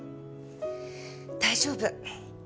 大丈夫。